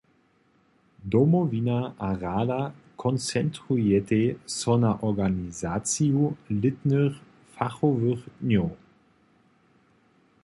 Domowina a rada koncentrujetej so na organizaciju lětnych fachowych dnjow.